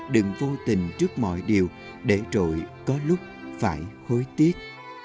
đừng vô tình trước mọi điều để rồi có lúc phải hối tiếc